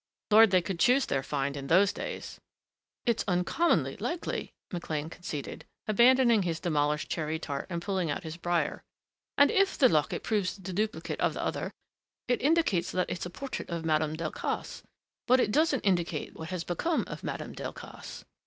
Lord, they could choose their find in those days!" "It's uncommonly likely," McLean conceded, abandoning his demolished cherry tart and pulling out his briar. "And if the locket proves the duplicate of the other it indicates that it's a portrait of Madame Delcassé, but it doesn't indicate what has become of Madame Delcassé....